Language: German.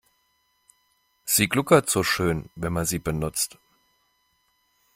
Sie gluckert so schön, wenn man sie benutzt.